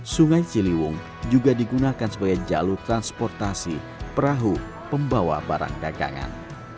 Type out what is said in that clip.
sungai ciliwung juga digunakan sebagai jalur transportasi perahu pembawa barang dagangan